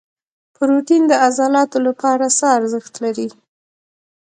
پروټین د عضلاتو لپاره څه ارزښت لري؟